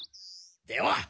では！